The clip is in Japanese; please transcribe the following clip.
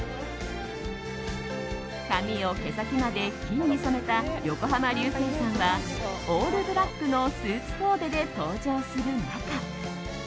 髪を毛先まで金に染めた横浜流星さんはオールブラックのスーツコーデで登場する中。